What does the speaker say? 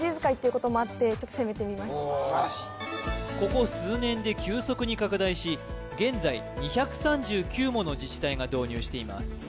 ここ数年で急速に拡大し現在２３９もの自治体が導入しています